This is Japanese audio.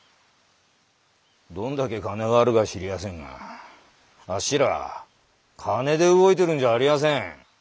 どんだけ金があるか知りやせんがあっしらは金で動いてるんじゃありやせん。